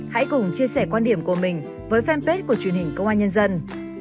hãy cùng chia sẻ quan điểm của mình với fanpage của truyền hình công an nhân dân